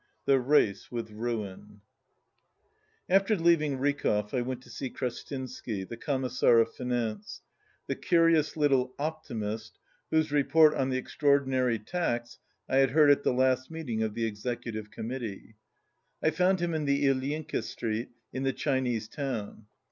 131 THE RACE WITH RUIN After leaving Rykov I went to see Krestinsky, the Commissar of Finance, the curious little op timist whose report on the Extraordinary Tax I had heard at the last meeting of the Executive Committee. I found him in the Ilyinka street, in the Chinese town.